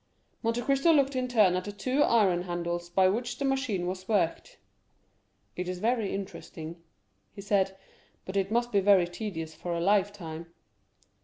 Monte Cristo looked in turn at the two iron handles by which the machine was worked. "It is very interesting," he said, "but it must be very tedious for a lifetime."